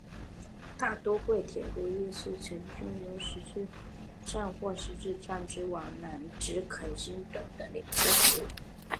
大都会铁路亦曾经提供由新十字站或新十字门站往返南肯辛顿站的列车服务。